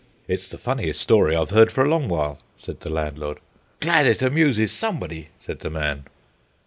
"It's the funniest story I've heard for a long while," said the landlord. "Glad it amuses somebody," said the man.